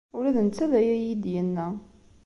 Ula d netta d aya ay iyi-d-yenna.